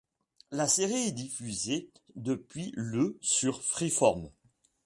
La série est diffusée depuis le sur Freeform.